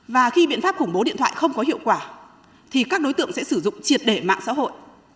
và khi biện pháp khủng bố điện thoại không có hiệu quả thì các đối tượng sẽ sử dụng triệt để mạng xã hội